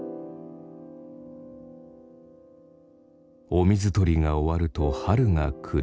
お水取りが終わると春が来る。